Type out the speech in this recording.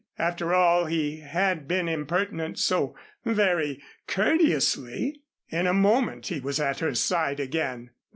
After all, he had been impertinent so very courteously. In a moment he was at her side again.